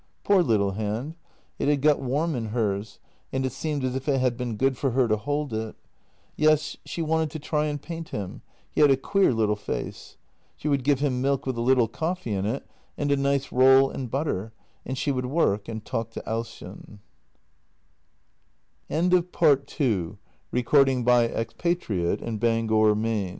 Poor little hand; it had got warm in hers, and it seemed as if it had been good for her to hold it. Yes, she wanted to try and paint him; he had a queer little face. She would give him milk with a little coffee in it and a nice roll and butter, and she would work and talk to Ausjen. ..